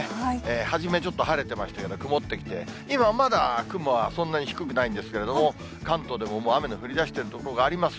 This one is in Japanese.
初めちょっと晴れてましたけれども、曇ってきて、今はまだ雲はそんなに低くないんですけれども、関東でも雨の降りだしてる所があります。